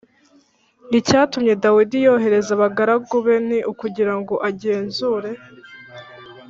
Icyatumye dawidi yohereza abagaragu be ni ukugira ngo agenzure